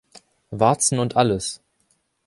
Warzen und alles!